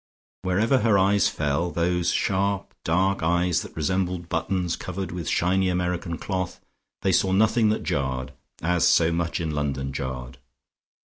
Wherever her eyes fell, those sharp dark eyes that resembled buttons covered with shiny American cloth, they saw nothing that jarred, as so much in London jarred.